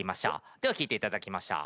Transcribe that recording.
では聴いていただきましょう。